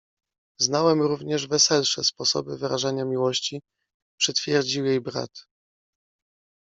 — Znałem również weselsze sposoby wyrażania miłości — przytwierdził jej brat.